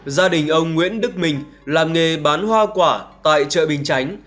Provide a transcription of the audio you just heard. gia đình ông nguyễn đức minh làm nghề bán hoa quả tại chợ bình chánh